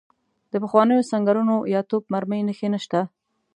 د پخوانیو سنګرونو یا توپ مرمۍ نښې نشته.